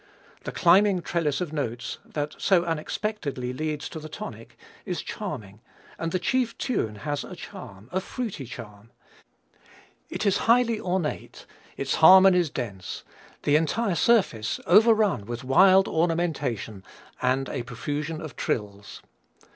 The climbing trellis of notes, that so unexpectedly leads to the tonic, is charming and the chief tune has charm, a fruity charm. It is highly ornate, its harmonies dense, the entire surface overrun with wild ornamentation and a profusion of trills.